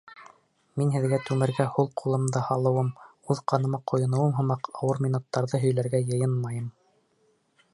Мин һеҙгә түмәргә һул ҡулымды һалыуым, үҙ ҡаныма ҡойоноуым һымаҡ ауыр минуттарҙы һөйләргә йыйынмайым.